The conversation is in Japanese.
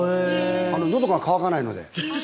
のどが渇かないので。